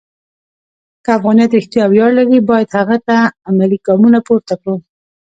که افغانیت رښتیا ویاړ لري، باید هغه ته عملي ګامونه پورته کړو.